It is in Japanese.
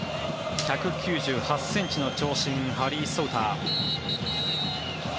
１９８ｃｍの長身ハリー・ソウター。